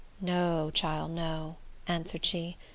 "No, chile, no," answered she.